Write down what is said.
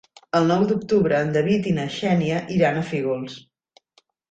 El nou d'octubre en David i na Xènia iran a Fígols.